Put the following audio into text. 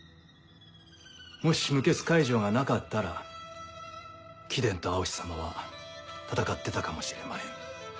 もし無血開城がなかったら貴殿と蒼紫様は戦ってたかもしれまへん。